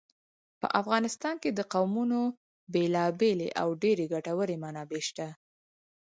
په افغانستان کې د قومونه بېلابېلې او ډېرې ګټورې منابع شته.